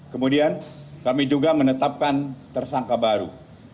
kemudian kami juga menetapkan tersangka baru